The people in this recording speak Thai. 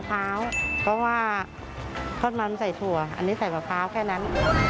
แต่ว่าทอดมันใช้ถั่วอันนี้ใช้มะพร้าวแค่นั้น